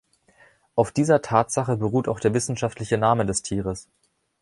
Auf dieser Tatsache beruht auch der wissenschaftliche Name des Tieres.